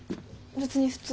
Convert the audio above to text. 別に普通。